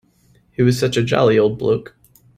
He was such a jolly old bloke.